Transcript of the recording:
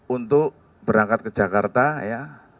untuk berangkat ke jakarta ya